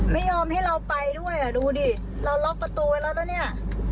ไม่ยอมให้เราไปด้วยอ่ะดูดิเราล็อกประตูไว้แล้วแล้วเนี่ย